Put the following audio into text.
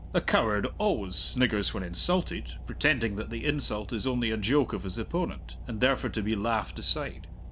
A coward always sniggers when insulted, pretending that the insult is only a joke of his opponent, and therefore to be laughed aside.